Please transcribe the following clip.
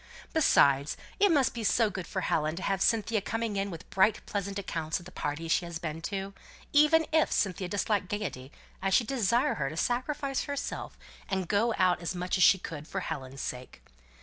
Besides, it must be so good for Helen to have Cynthia coming in with bright pleasant accounts of the parties she has been to even if Cynthia disliked gaiety I should desire her to sacrifice herself and go out as much as she could, for Helen's sake.